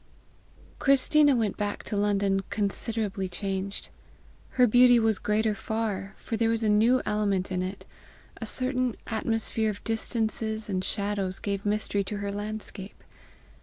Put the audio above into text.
Christina went back to London considerably changed. Her beauty was greater far, for there was a new element in it a certain atmosphere of distances and shadows gave mystery to her landscape.